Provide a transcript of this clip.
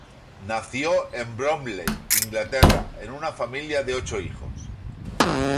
Nació en Bromley, Inglaterra, en una familia de ocho hijos.